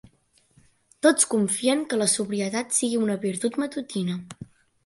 Tots confien que la sobrietat sigui una virtut matutina.